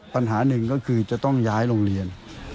ปัญหาหนึ่งก็คือจะต้องย้ายโรงเรียน